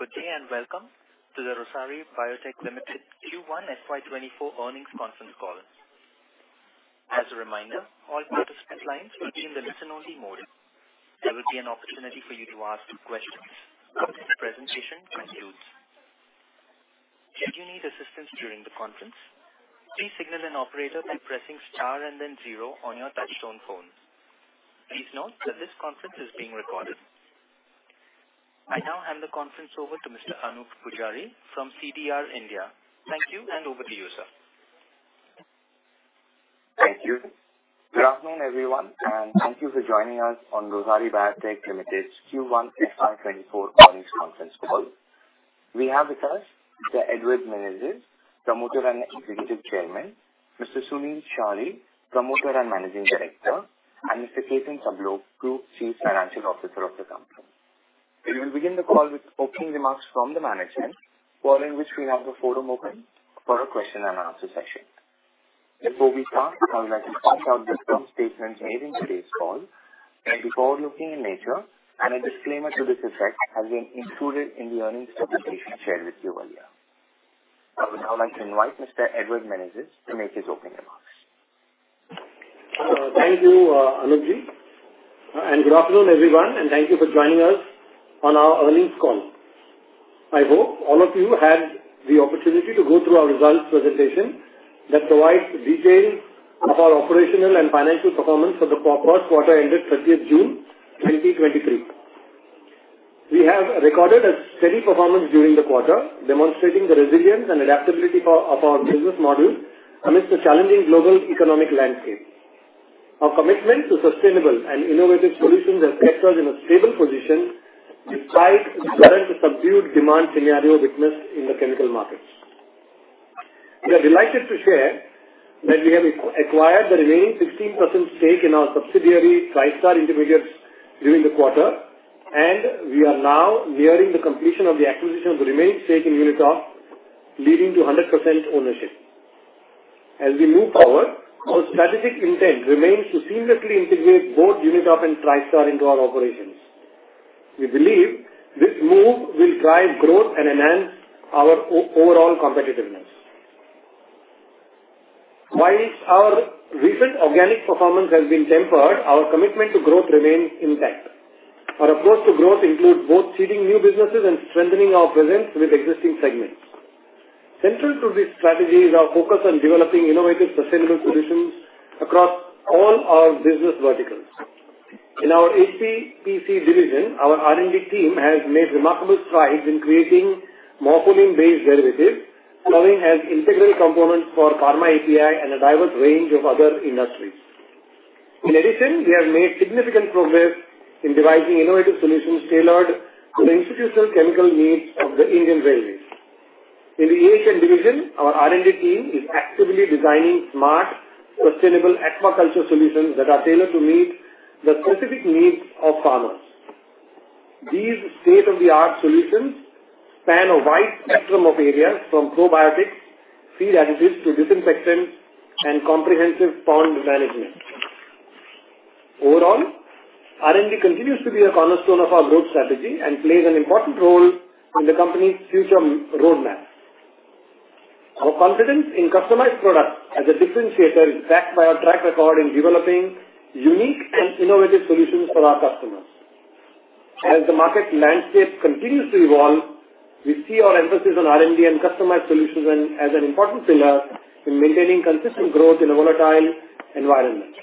Good day, and welcome to the Rossari Biotech Limited Q1 FY 2024 earnings conference call. As a reminder, all participant lines will be in the listen-only mode. There will be an opportunity for you to ask questions when the presentation concludes. Should you need assistance during the conference, please signal an operator by pressing Star and then 0 on your touchtone phone. Please note that this conference is being recorded. I now hand the conference over to Mr. Anoop Poojari from CDR India. Thank you, and over to you, sir. Thank you. Good afternoon, everyone, and thank you for joining us on Rossari Biotech Limited's Q1 FY 2024 earnings conference call. We have with us, Sir Edward Menezes, Promoter and Executive Chairman, Mr. Sunil Chari, Promoter and Managing Director, and Mr. Ketan Sablok, Group Chief Financial Officer of the company. We will begin the call with opening remarks from the management, following which we'll have a photo moment for a question and answer session. Before we start, I would like to point out that some statements made in today's call may be forward-looking in nature, and a disclaimer to this effect has been included in the earnings presentation shared with you earlier. I would now like to invite Mr. Edward Menezes to make his opening remarks. Thank you, Anoopji, good afternoon, everyone, and thank you for joining us on our earnings call. I hope all of you had the opportunity to go through our results presentation that provides details of our operational and financial performance for the first quarter ended June 30, 2023. We have recorded a steady performance during the quarter, demonstrating the resilience and adaptability of our business model amidst a challenging global economic landscape. Our commitment to sustainable and innovative solutions has kept us in a stable position despite the current subdued demand scenario witnessed in the chemical markets. We are delighted to share that we have acquired the remaining 16% stake in our subsidiary, Tristar Intermediates, during the quarter, and we are now nearing the completion of the acquisition of the remaining stake in Unitop, leading to 100% ownership. As we move forward, our strategic intent remains to seamlessly integrate both Unitop and Tristar into our operations. We believe this move will drive growth and enhance our overall competitiveness. While our recent organic performance has been tempered, our commitment to growth remains intact. Our approach to growth includes both seeding new businesses and strengthening our presence with existing segments. Central to this strategy is our focus on developing innovative, sustainable solutions across all our business verticals. In our HPC division, our R&D team has made remarkable strides in creating morpholine-based derivatives, serving as integral components for pharma API and a diverse range of other industries. In addition, we have made significant progress in devising innovative solutions tailored to the institutional chemical needs of the Indian Railways. In the Asian division, our R&D team is actively designing smart, sustainable aquaculture solutions that are tailored to meet the specific needs of farmers. These state-of-the-art solutions span a wide spectrum of areas, from probiotics, feed additives, to disinfection and comprehensive pond management. Overall, R&D continues to be a cornerstone of our growth strategy and plays an important role in the company's future roadmap. Our confidence in customized products as a differentiator is backed by our track record in developing unique and innovative solutions for our customers. As the market landscape continues to evolve, we see our emphasis on R&D and customized solutions as an important pillar in maintaining consistent growth in a volatile environment.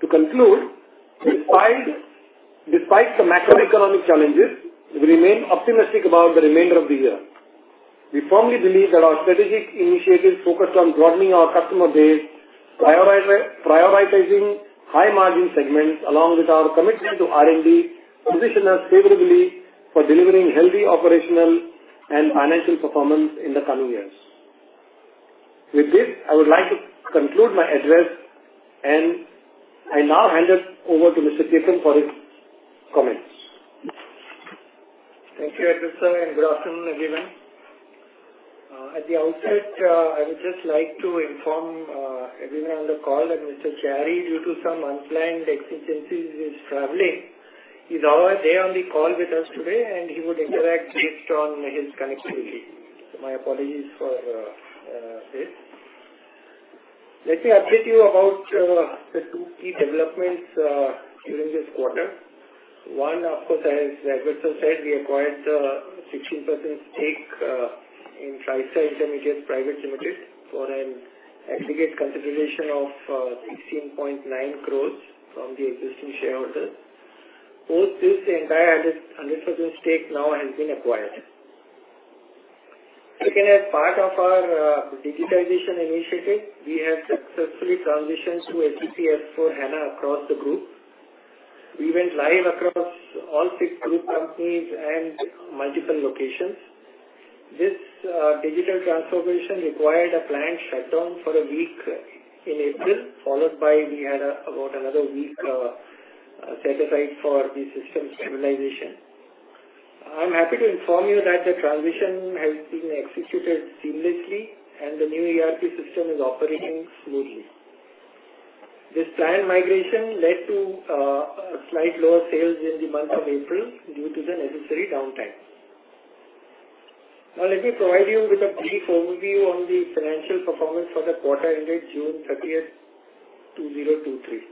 To conclude, despite the macroeconomic challenges, we remain optimistic about the remainder of the year. We firmly believe that our strategic initiatives focused on broadening our customer base, prioritizing high-margin segments, along with our commitment to R&D, position us favorably for delivering healthy, operational, and financial performance in the coming years. With this, I would like to conclude my address, and I now hand it over to Mr. Ketan for his comments. Thank you, Edward, sir. Good afternoon, everyone. At the outset, I would just like to inform everyone on the call that Mr. Chari, due to some unplanned contingencies, is traveling. He's however there on the call with us today. He would interact based on his connectivity. My apologies for this. Let me update you about the two key developments during this quarter. One, of course, as Edward, sir said, we acquired a 16% stake in Tristar Intermediates Private Limited for an aggregate consideration of 16.9 crore from the existing shareholders. Post this, the entire 100% stake now has been acquired. Second, as part of our digitization initiative, we have successfully transitioned to SAP S/4HANA across the group. We went live across all six group companies and multiple locations. This digital transformation required a planned shutdown for a week in April, followed by we had about another week set aside for the system stabilization. I'm happy to inform you that the transition has been executed seamlessly and the new ERP system is operating smoothly. This planned migration led to a slight lower sales in the month of April due to the necessary downtime. Now let me provide you with a brief overview on the financial performance for the quarter ended June 30, 2023.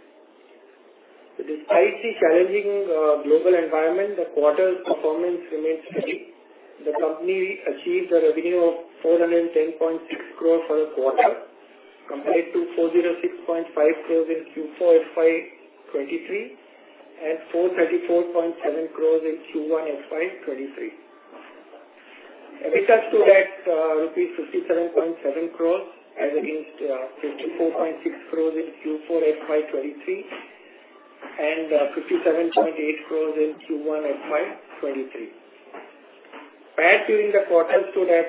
Despite the challenging global environment, the quarter's performance remains steady. The company achieved a revenue of 410.6 crore for the quarter, compared to 406.5 crore in Q4 FY2023, and 434.7 crore in Q1 FY2023. EBITDA stood at INR 57.7 crore, as against INR 54.6 crore in Q4 FY 2023, and 57.8 crore in Q1 FY 2023. Bad debt in the quarter stood at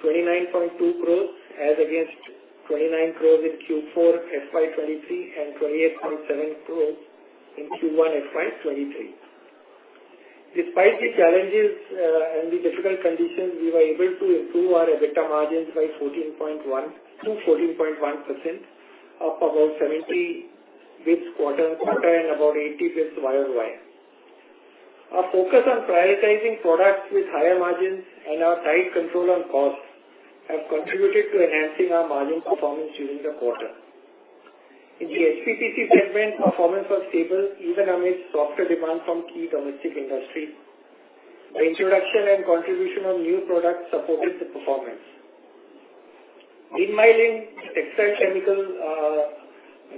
rupees 29.2 crore as against 29 crore in Q4 FY 2023 and INR 28.7 crore in Q1 FY 2023. Despite the challenges and the difficult conditions, we were able to improve our EBITDA margins by 14.1%-14.1%, up about 70 with quarter-on-quarter and about 80 with year-on-year. Our focus on prioritizing products with higher margins and our tight control on costs have contributed to enhancing our margin performance during the quarter. In the SPPC segment, performance was stable, even amidst softer demand from key domestic industry. The introduction and contribution of new products supported the performance. Meanwhile, in textile chemical,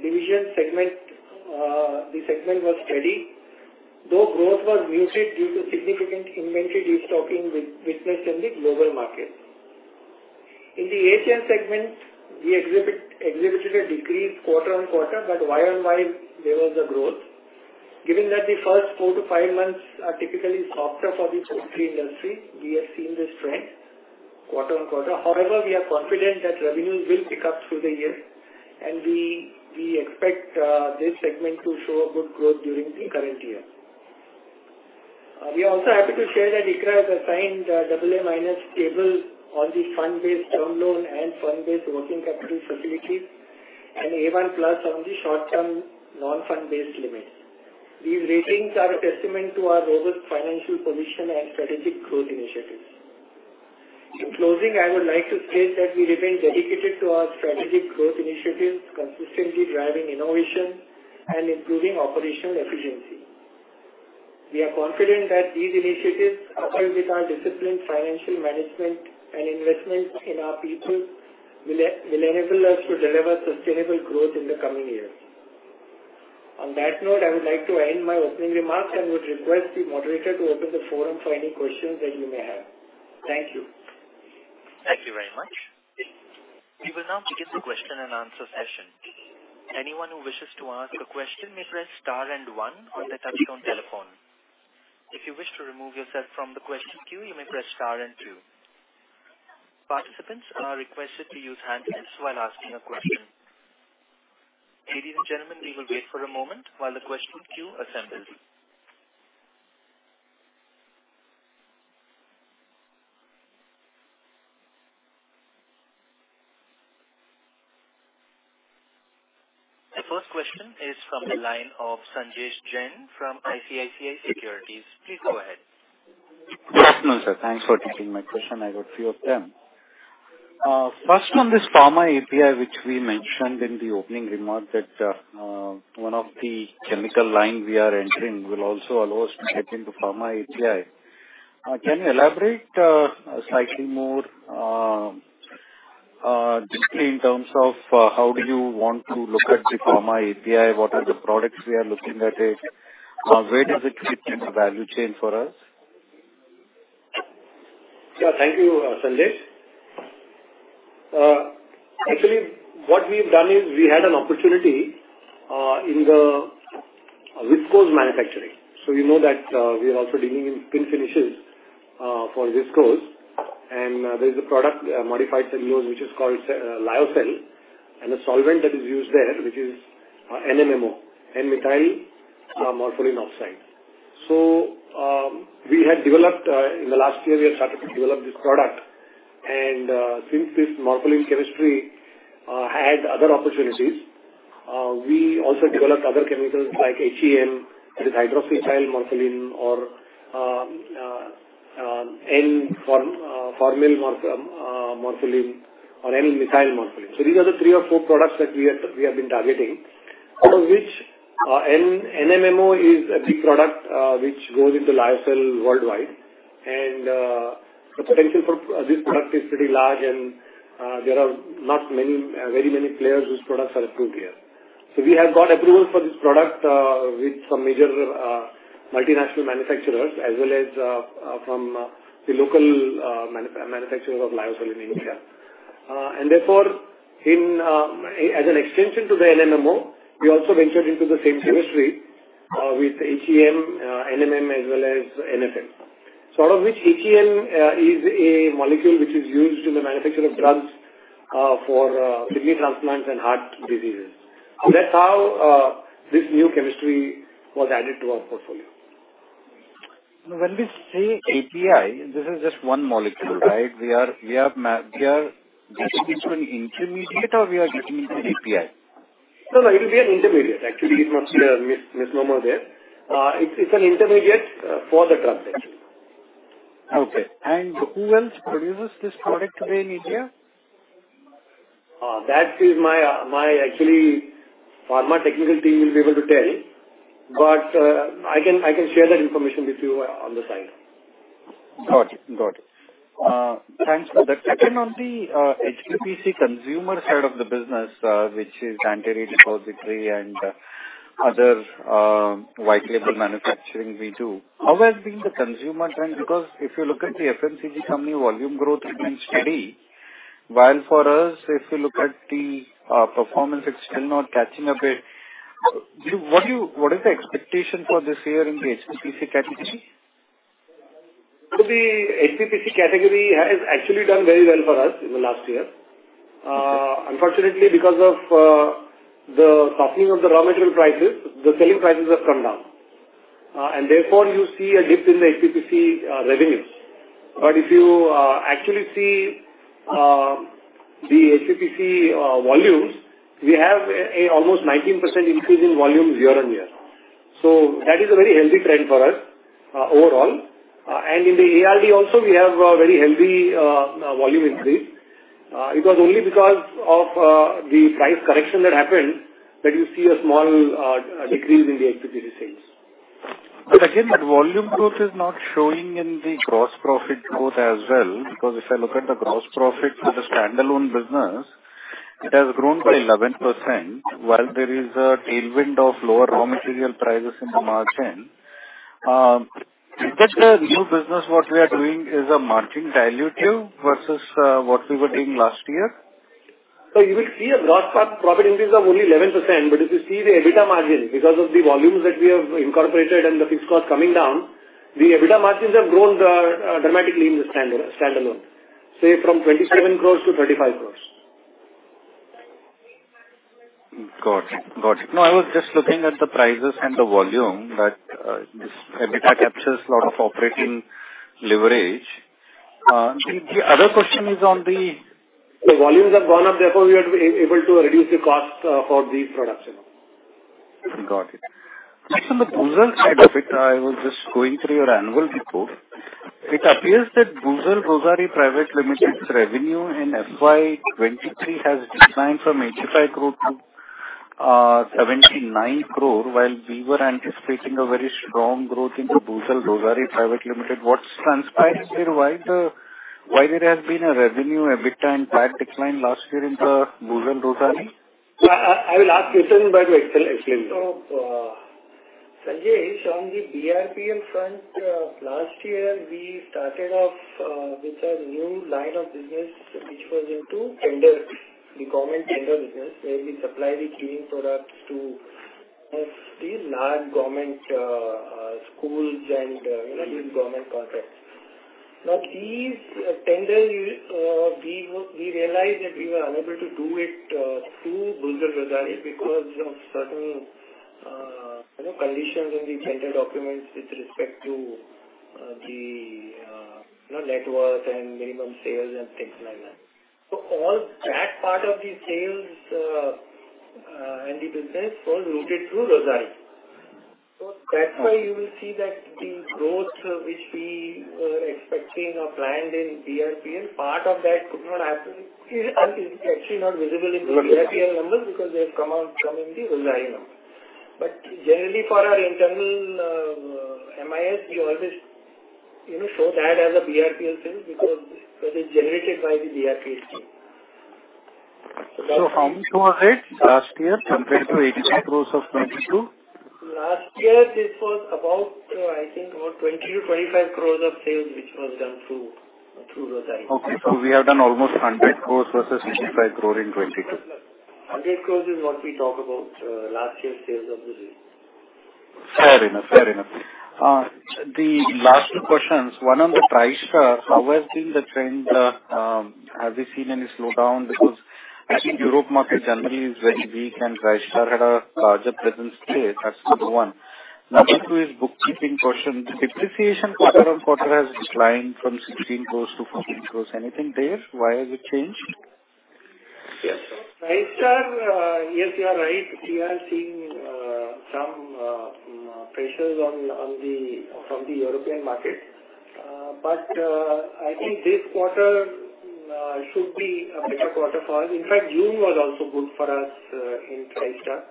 division segment, the segment was steady, though growth was muted due to significant inventory destocking with business in the global market. In the Asian segment, we exhibited a decrease quarter on quarter, but Y-on-Y, there was a growth. Given that the first four to five months are typically softer for the poultry industry, we have seen this trend quarter on quarter. However, we are confident that revenues will pick up through the year, and we, we expect this segment to show a good growth during the current year. We are also happy to share that ICRA has assigned AA- (Stable) on the fund-based term loan and fund-based working capital facility and A1+ on the short-term non-fund-based limits. These ratings are a testament to our robust financial position and strategic growth initiatives. In closing, I would like to state that we remain dedicated to our strategic growth initiatives, consistently driving innovation and improving operational efficiency. We are confident that these initiatives, coupled with our disciplined financial management and investment in our people, will enable us to deliver sustainable growth in the coming years. On that note, I would like to end my opening remarks and would request the moderator to open the forum for any questions that you may have. Thank you. Thank you very much. We will now begin the question and answer session. Anyone who wishes to ask a question may press star and one on the touchtone telephone. If you wish to remove yourself from the question queue, you may press star and two. Participants are requested to use hand raise while asking a question. Ladies and gentlemen, we will wait for a moment while the question queue assembles. The first question is from the line of Sanjesh Jain from ICICI Securities. Please go ahead. Good morning, sir. Thanks for taking my question. I got few of them. First, on this pharma API, which we mentioned in the opening remarks, that one of the chemical line we are entering will also allow us to get into pharma API. Can you elaborate slightly more just in terms of how do you want to look at the pharma API? What are the products we are looking at it? Where does it fit in the value chain for us? Yeah, thank you, Sanjesh. Actually, what we've done is we had an opportunity in the viscose manufacturing. You know that we are also dealing in thin finishes for viscose, and there's a product, modified cellulose, which is called lyocell, and the solvent that is used there, which is NMMO, N-methylmorpholine N-oxide. We had developed in the last year, we have started to develop this product, and since this morpholine chemistry had other opportunities, we also developed other chemicals like HEM, that is Hydroxyethylmorpholine or N-formylmorpholine or N-methylmorpholine. These are the three or four products that we have, we have been targeting, out of which, NMMO is a big product, which goes into lyocell worldwide. The potential for this product is pretty large, and there are not many very many players whose products are approved here. We have got approval for this product with some major multinational manufacturers, as well as from the local manufacturers of Lyocell in India. Therefore, as an extension to the NMMO, we also ventured into the same chemistry with HEM, NMM, as well as NSF. Out of which, HEM is a molecule which is used in the manufacture of drugs for kidney transplants and heart diseases. That's how this new chemistry was added to our portfolio. When we say API, this is just one molecule, right? We are, we are getting into an intermediate or we are getting into API? No, no, it will be an intermediate. Actually, it's not a misnomer there. It's, it's an intermediate for the drug, actually. Okay. Who else produces this product today in India? That is my actually pharma technical team will be able to tell you. I can, I can share that information with you on the side. Got it. Got it. Thanks for that. Second, on the HPPC consumer side of the business, which is anti-rheumatic API and other white label manufacturing we do. How has been the consumer trend? If you look at the FMCG company, volume growth has been steady, while for us, if you look at the performance, it's still not catching up a bit. What is the expectation for this year in the HPPC category? The HPPC category has actually done very well for us in the last year. Unfortunately, because of the softening of the raw material prices, the selling prices have come down. Therefore, you see a dip in the HPPC revenues. If you actually see the HPPC volumes, we have almost 19% increase in volumes year-on-year. That is a very healthy trend for us overall. In the ARD also, we have a very healthy volume increase. It was only because of the price correction that happened, that you see a small decrease in the HPPC sales. Again, that volume growth is not showing in the gross profit growth as well, because if I look at the gross profit for the standalone business, it has grown by 11%, while there is a tailwind of lower raw material prices in the margin. Is that the new business what we are doing is a margin dilutive versus what we were doing last year? You will see a gross profit increase of only 11%. If you see the EBITDA margin, because of the volumes that we have incorporated and the fixed cost coming down, the EBITDA margins have grown dramatically in the standalone, say, from 27 crore to 35 crore. Got it. Got it. I was just looking at the prices and the volume. This EBITDA captures a lot of operating leverage. The other question is on the- The volumes have gone up, therefore, we are able to reduce the cost for the products. Got it. Next, on the Buzil side of it, I was just going through your annual report. It appears that Buzil Rossari Private Limited's revenue in FY 2023 has declined from 85 crore, 79 crore, while we were anticipating a very strong growth into Buzil Rossari Private Limited. What's transpired there? Why why there has been a revenue, EBITDA, and PAT decline last year in the Buzil Rossari? I will ask Ketan to explain, explain more. Oh, Sanjesh, on the BRPL front, last year, we started off with a new line of business, which was into tender, the government tender business, where we supply the cleaning products to the large government schools and huge government contracts. These tender, we, we realized that we were unable to do it through Buzil Rossari because of certain, you know, conditions in the tender documents with respect to the, you know, net worth and minimum sales and things like that. All that part of the sales and the business was routed through Rossari. That's why you will see that the growth which we were expecting or planned in BRPL, part of that could not happen. It's actually not visible in the BRPL numbers because they have come out, come in the Rossari numbers. Generally, for our internal MIS, we always, you know, show that as a BRPL sale because it is generated by the BRPL team. How much was it last year compared to 85 crore of 2022? Last year, this was about, I think about 20-25 crores of sales, which was done through, through Rossari. Okay. We have done almost 100 crore versus 85 crore in 2022. 100 crore is what we talk about, last year's sales of the... Fair enough. Fair enough. The last two questions, one on the Tristar, how has been the trend, have you seen any slowdown? Because I think Europe market generally is very weak, and Tristar had a larger presence there. That's number one. Number two is bookkeeping question. Depreciation quarter-on-quarter has declined from 16 crore to 14 crore. Anything there? Why has it changed? Yes, Tristar. Yes, you are right. We are seeing some pressures from the European market. I think this quarter should be a better quarter for us. In fact, June was also good for us in Tristar.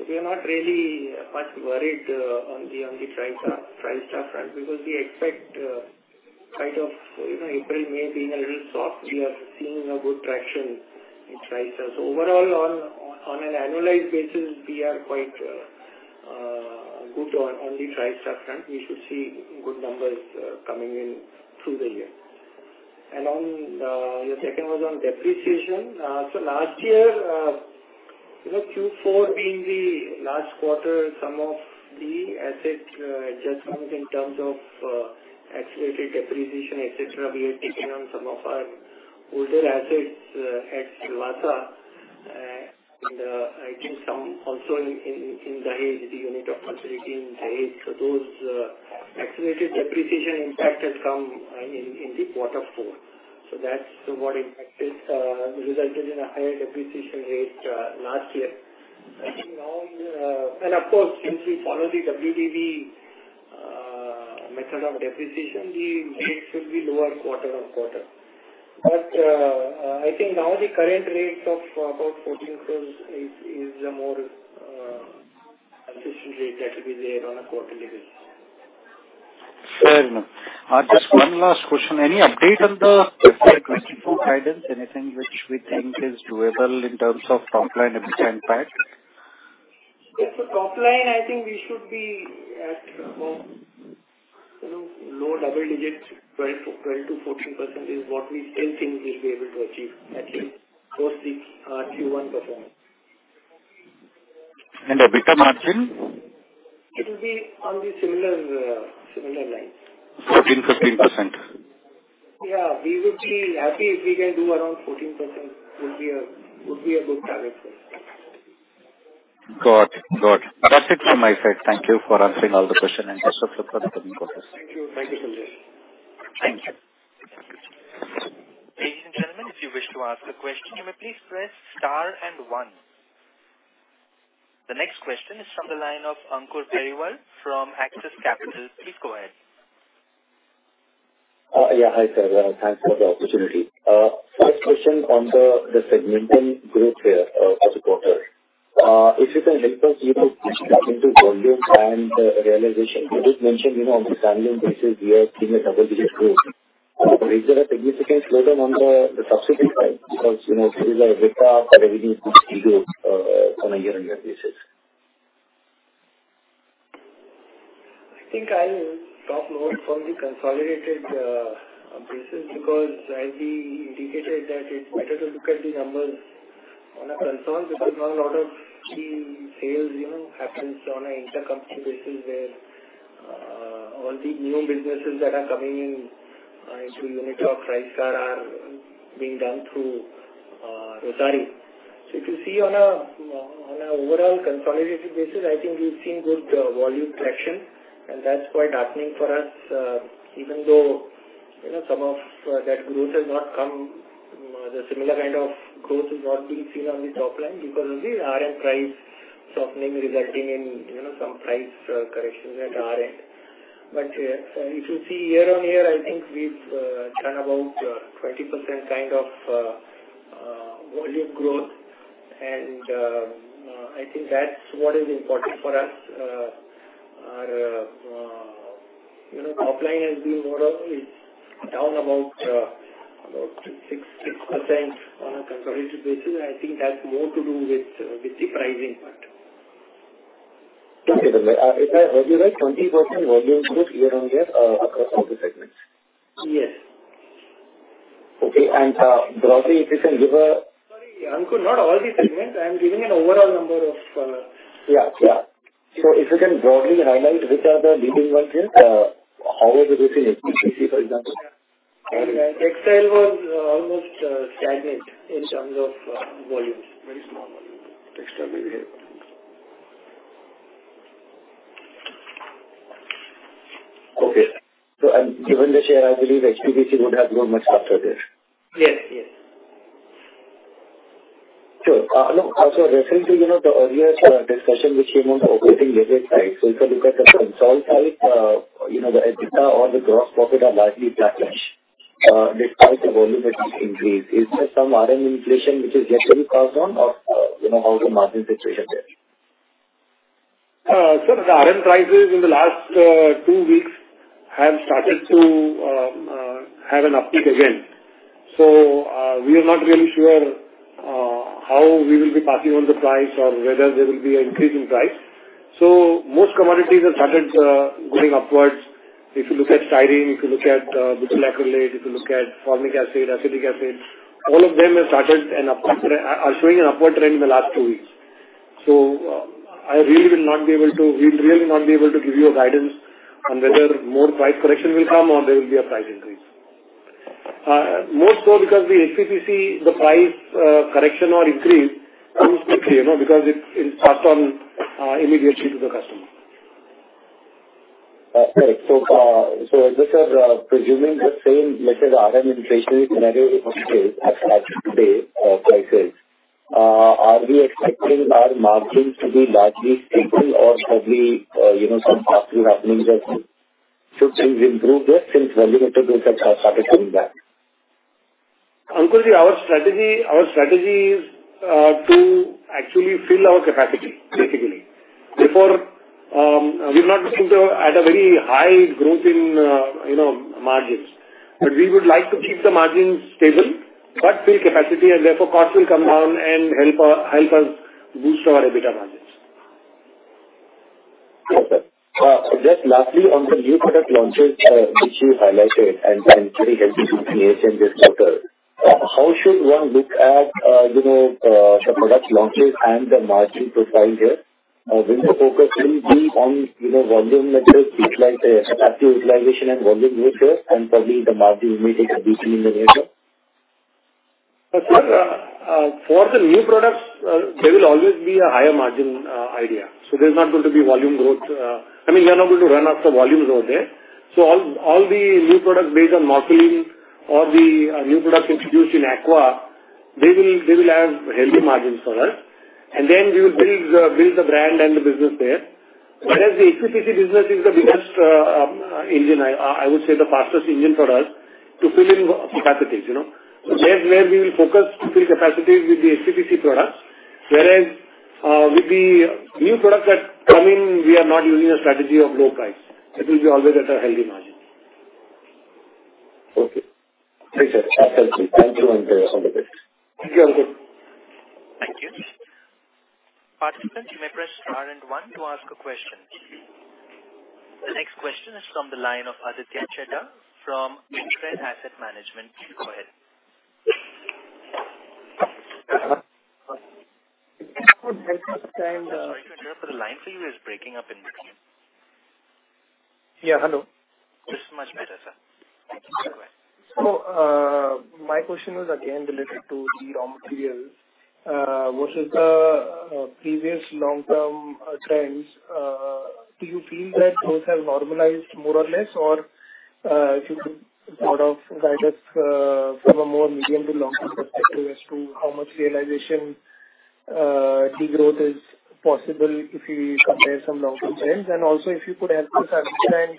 We are not really much worried on the Tristar front because we expect quite of, you know, April, May being a little soft. We are seeing good traction in Tristar. Overall, on an annualized basis, we are quite good on the Tristar front. We should see good numbers coming in through the year. On your second was on depreciation. Last year, you know, Q4 being the last quarter, some of the asset, adjustments in terms of, accelerated depreciation, et cetera, we have taken on some of our older assets, at Silvassa. I think some also in, in, in the facility in Dahej. Those accelerated depreciation impact has come in the quarter four. That's what impacted resulted in a higher depreciation rate last year. I think now... Of course, since we follow the WDV method of depreciation, the rate should be lower quarter-on-quarter. I think now the current rate of about 14% is a more consistent rate that will be there on a quarterly basis. Fair enough. Just one last question: Any update on the 2024 guidance, anything which we think is doable in terms of top line impact? If the top line, I think we should be at, you know, low double digits, 12%-14% is what we still think we'll be able to achieve, at least for the Q1 performance. And EBITDA margin? It will be on the similar, similar lines. 14%, 15%? Yeah. We would be happy if we can do around 14%, would be a good target. Got it. Got it. That's it from my side. Thank you for answering all the questions, and best of luck for the coming quarters. Thank you. Thank you so much. Thank you. Ladies and gentlemen, if you wish to ask a question, you may please press star and 1. The next question is from the line of Ankur Pariwal from Axis Capital. Please go ahead. Yeah, hi, sir. Thanks for the opportunity. First question on the, the segmenting group here, for the quarter. If you can help us into volumes and, realization, you just mentioned, you know, on a standing basis, we are seeing a double-digit growth. Is there a significant slowdown on the, the subsidy side? Because, you know, this is a EBITDA, our revenue is still, on a year-on-year basis. I think I'll talk more from the consolidated basis, because as we indicated that it's better to look at the numbers on a consolidated, because a lot of the sales, you know, happens on an intercompany basis, where all the new businesses that are coming in into Unitop Tristar are being done through Rossari. If you see on an overall consolidated basis, I think we've seen good volume collection, and that's quite happening for us, even though, you know, some of that growth has not come, the similar kind of growth is not being seen on the top line because of the RM price softening, resulting in, you know, some price corrections at our end. If you see year-on-year, I think we've done about 20% kind of volume growth, and I think that's what is important for us. Our, you know, top line has been more or less down about about six, 6% on a consolidated basis. I think that's more to do with with the pricing part. Okay. If I heard you right, 20% volume growth year-on-year, across all the segments? Yes. Okay, and, broadly, if you can give. Sorry, Ankur, not all the segments. I'm giving an overall number of. Yeah, yeah. If you can broadly highlight, which are the leading ones here, how is the business, HPPC, for example? Textile was almost stagnant in terms of volumes. Very small volumes. Textile maybe. Okay. Given the share, I believe HPPC would have grown much after this. Yes, yes. Look, also recently, you know, the earlier discussion which you want to operating level side. If you look at the consol. side, you know, the EBITDA or the gross profit are largely flatline, despite the volume increase. Is there some RM inflation which is yet to be passed on or, you know, how is the margin situation there? The RM prices in the last two weeks have started to have an uptick again. We are not really sure how we will be passing on the price or whether there will be an increase in price. Most commodities have started going upwards. If you look at styrene, if you look at butyl acrylate, if you look at formic acid, acetic acid, all of them have started an upward trend, are showing an upward trend in the last two weeks. I really will not be able to, we'll really not be able to give you a guidance on whether more price correction will come or there will be a price increase. More so because the HPPC, the price correction or increase comes quickly, you know, because it, it passed on immediately to the customer. Just presuming the same method, RM inflation is still at today prices, are we expecting our margins to be largely stable or probably, you know, some positive happenings as should things improve there since volume intervals have started coming back? Ankur, our strategy, our strategy is to actually fill our capacity, basically. Therefore, we're not looking to at a very high growth in, you know, margins. We would like to keep the margins stable, but fill capacity, and therefore, cost will come down and help us, help us boost our EBITDA margins. Okay. Just lastly, on the new product launches, which you highlighted and very happy to create in this quarter, how should one look at, you know, the product launches and the margin profile here? Will the focus will be on, you know, volume metrics, like capacity utilization and volume growth here, and probably the margin may take a beating in the near term? For, for the new products, there will always be a higher margin idea. There's not going to be volume growth. I mean, we are not going to run out of volumes over there. All, all the new products based on modeling or the new product introduced in Aqua, they will, they will have healthy margins for us, and then we will build, build the brand and the business there. Whereas the HPPC business is the biggest engine, I, I would say the fastest engine for us to fill in capacities, you know? There, where we will focus to fill capacities with the HPPC products, whereas, with the new products that come in, we are not using a strategy of low price. It will be always at a healthy margin. Okay. Thanks, sir. Absolutely. Thank you and all the best. Thank you. Thank you. Participant, you may press star and oneh to ask a question. The next question is from the line of Aditya Chheda from InCred Asset Management. Please go ahead. Hello- Sorry to interrupt, but the line for you is breaking up in between. Yeah, hello. This is much better, sir. Thank you very much. My question is again related to the raw materials versus the previous long-term trends, do you feel that those have normalized more or less? Or, if you could sort of guide us, from a more medium to long-term perspective as to how much realization, degrowth is possible if you compare some long-term trends. Also, if you could help us understand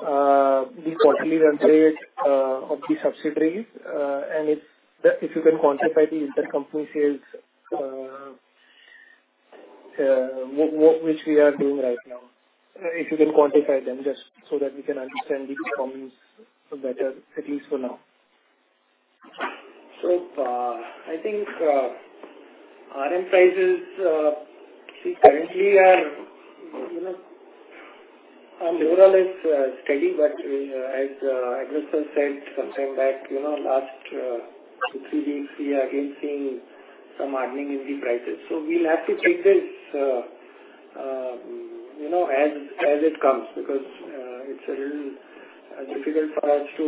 the quarterly run rate of the subsidiaries, and if the, if you can quantify the intercompany sales, which we are doing right now, if you can quantify them just so that we can understand the performance better, at least for now. I think RM prices, see currently are, you know, are more or less steady, but as said sometime back, you know, last two, three weeks, we are again seeing some hardening in the prices. We'll have to take this, you know, as, as it comes, because it's a little difficult for us to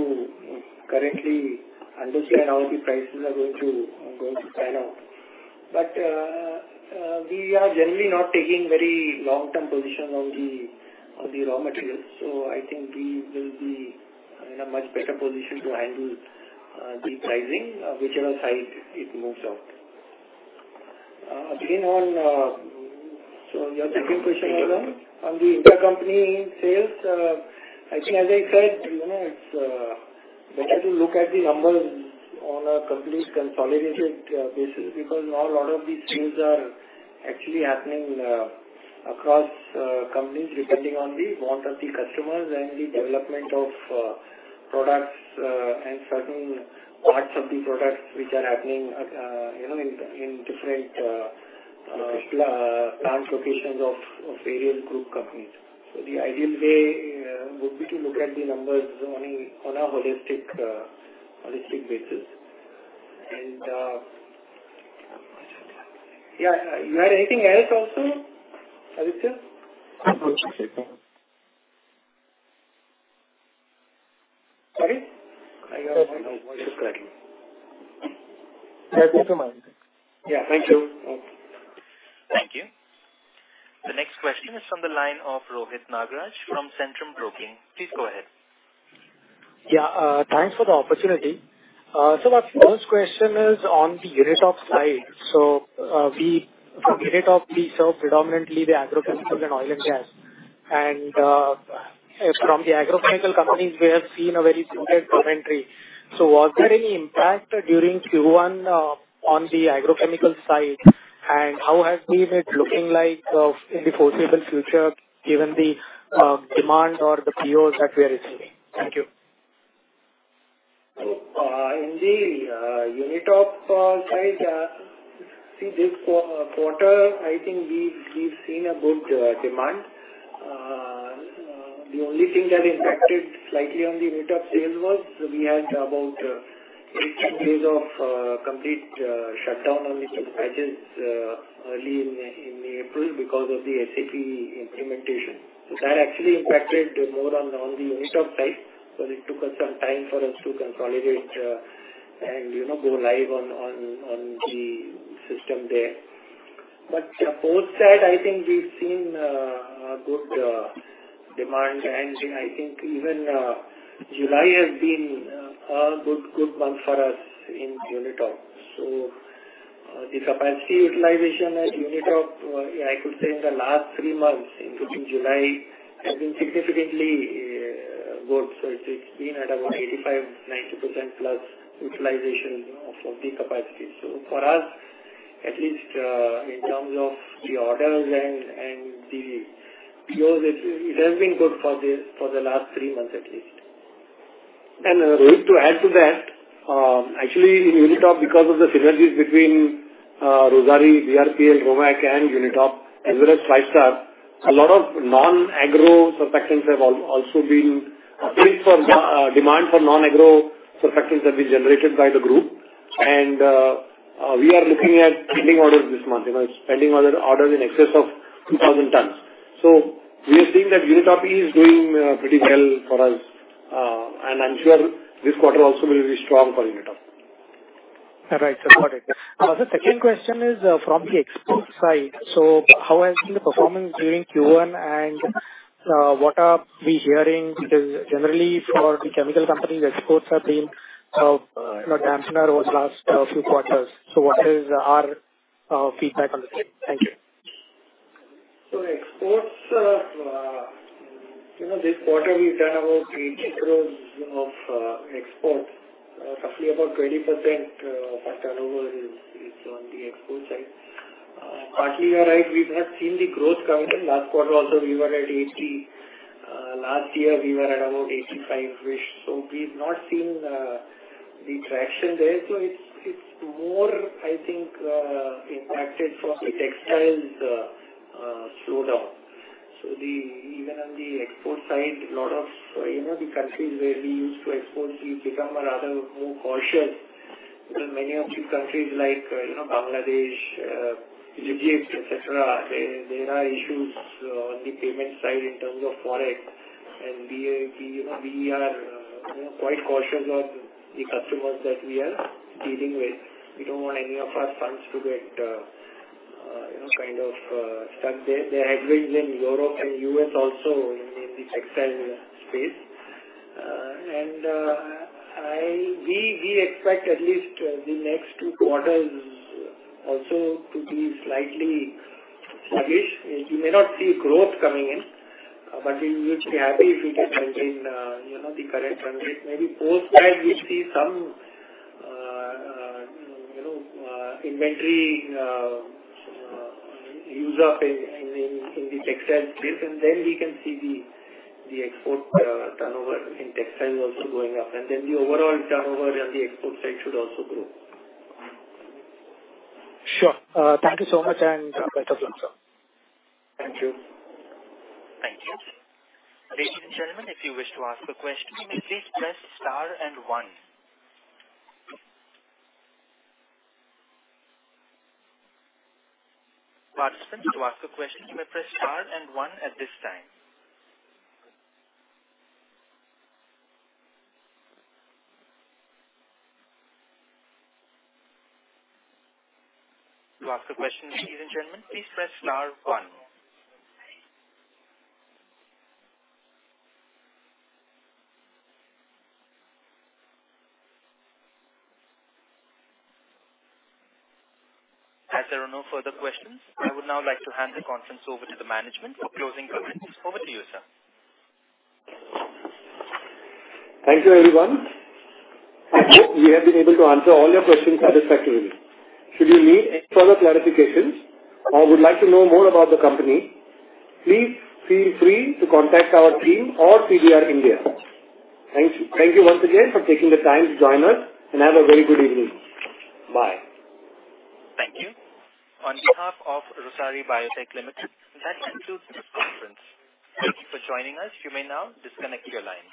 currently understand how the prices are going to, going to pan out. We are generally not taking very long-term position on the, on the raw materials, so I think we will be in a much better position to handle the pricing, whichever side it moves out. Again, on your second question again, on the intercompany sales, I think as I said, you know, it's better to look at the numbers on a complete consolidated basis, because now a lot of these sales are actually happening across companies, depending on the want of the customers and the development of products and certain parts of the products which are happening, you know, in different plant locations of various group companies. The ideal way would be to look at the numbers only on a holistic holistic basis. Yeah, you had anything else also, Aditya? No, thank you. Sorry? I got your voice is cutting. Thank you, sir. Yeah. Thank you. Thank you. The next question is from the line of Rohit Nagaraj from Centrum Broking. Please go ahead. Yeah, thanks for the opportunity. My first question is on the Unitop side. We, from Unitop, we serve predominantly the agrochemicals and oil and gas. From the agrochemical companies, we have seen a very similar commentary. Was there any impact during Q1 on the agrochemical side, and how has been it looking like in the foreseeable future, given the demand or the POs that we are receiving? Thank you. In the Unitop side, see this quarter, I think we've, we've seen a good demand. The only thing that impacted slightly on the Unitop sales was we had about 2 weeks of complete shutdown on the patches early in April because of the SAP implementation. That actually impacted more on the Unitop side, because it took us some time for us to consolidate, and, you know, go live on the system there. Both side, I think we've seen a good demand. I think even July has been a good, good month for us in Unitop. The capacity utilization at Unitop, I could say in the last three months, including July, has been significantly good. It's, it's been at about 85, 90% plus utilization of, of the capacity. For us, at least, in terms of the orders and, and the POs, it, it has been good for the, for the last three months at least. Rohit, to add to that, actually, in Unitop, because of the synergies between, Rossari, VRP, and Romakk and Unitop, as well as Five Star. A lot of non-agro surfactants have also been paid for. Demand for non-agro surfactants have been generated by the group, and we are looking at pending orders this month, you know, pending order, orders in excess of 2,000 tons. We are seeing that Unitop is doing pretty well for us. I'm sure this quarter also will be strong for Unitop. All right, sir, got it. The second question is from the export side. How has been the performance during Q1, and what are we hearing? Because generally for the chemical companies, exports have been not answering over the last few quarters. What is our feedback on this? Thank you. Exports, you know, this quarter, we've done about 80 crore of exports. Roughly about 20% of our turnover is, is on the export side. Partly, you are right, we have seen the growth coming. Last quarter also, we were at 80. Last year we were at about 85-ish, so we've not seen the traction there. It's, it's more, I think, impacted from the textiles slowdown. Even on the export side, a lot of, you know, the countries where we used to export, we've become a rather more cautious. There are many of the countries like, you know, Bangladesh, etcetera. There, there are issues on the payment side in terms of forex, and we, we, you know, we are, you know, quite cautious of the customers that we are dealing with. We don't want any of our funds to get, you know, kind of stuck there. There have been in Europe and U.S. also in the textile space. I, we, we expect at least the next two quarters also to be slightly sluggish. You may not see growth coming in. We, we should be happy if we can maintain, you know, the current one. Maybe post that, we see some, you know, inventory use up in, in, in the textile space, and then we can see the, the export turnover in textiles also going up, and then the overall turnover on the export side should also grow. Sure. Thank you so much, and better luck, sir. Thank you. Thank you. Ladies and gentlemen, if you wish to ask a question, you may please press star and one. Participants, to ask a question, you may press star and one at this time. To ask a question, ladies and gentlemen, please press star one. As there are no further questions, I would now like to hand the conference over to the management for closing comments. Over to you, sir. Thank you, everyone. We have been able to answer all your questions satisfactorily. Should you need any further clarifications or would like to know more about the company, please feel free to contact our team or CDR India. Thank you. Thank you once again for taking the time to join us, and have a very good evening. Bye. Thank you. On behalf of Rossari Biotech Limited, that concludes this conference. Thank you for joining us. You may now disconnect your line.